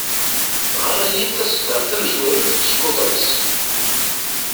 Ɣer-iyi-d taseddart tamezwarut seg uḍris.